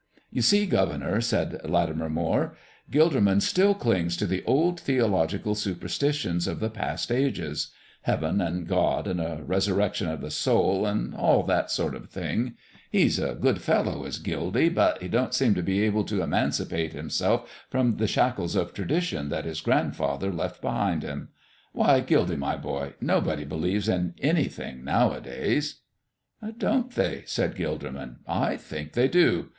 "You see, governor," said Latimer Moire, "Gilderman still clings to the old theological superstitions of the past ages heaven and God and a resurrection of the soul and all that sort of thing. He's a good fellow, is Gildy, but he don't seem to be able to emancipate himself from the shackles of tradition that his grandfather left behind him. Why, Gildy, my boy, nobody believes in anything nowadays." "Don't they?" said Gilderman. "I think they do.